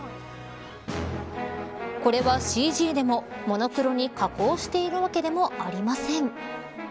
これはＣＧでもモノクロに加工しているわけでもありません。